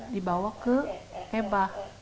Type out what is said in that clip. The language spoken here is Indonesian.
dibawa ke ebah